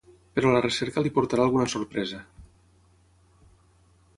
Però la recerca li portarà alguna sorpresa.